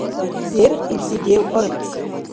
Дергъ ибси дев аргъибси.